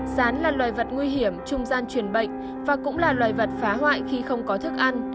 rán là loài vật nguy hiểm trung gian truyền bệnh và cũng là loài vật phá hoại khi không có thức ăn